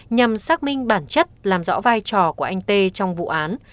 nhằm xác minh bản chất làm rõ vai trò của anh t trong vụ án